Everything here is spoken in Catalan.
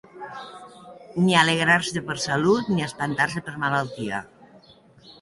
Ni alegrar-se per salut ni espantar-se per malaltia.